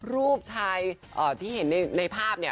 รูปชายที่เห็นในภาพเนี่ย